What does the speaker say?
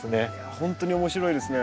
ほんとに面白いですね。